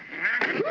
うわ！